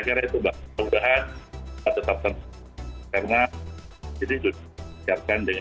karena ini juga diperlihatkan dengan sebagainya